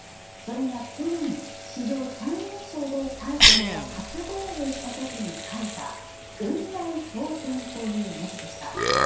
それが去年、史上最年少でタイトルを初防衛した時に書いた「雲外蒼天」という文字でした。